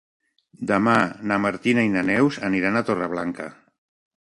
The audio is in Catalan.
Demà na Martina i na Neus aniran a Torreblanca.